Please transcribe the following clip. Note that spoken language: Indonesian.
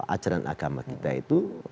ajaran agama kita itu